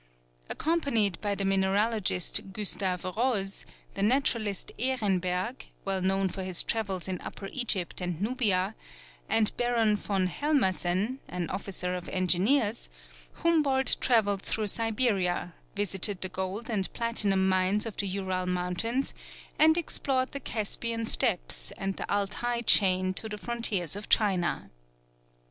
Accompanied by the mineralogist Gustave Rose, the naturalist Ehrenberg, well known for his travels in Upper Egypt and Nubia, and Baron von Helmersen, an officer of engineers, Humboldt travelled through Siberia, visited the gold and platinum mines of the Ural Mountains, and explored the Caspian steppes and the Altai chain to the frontiers of China.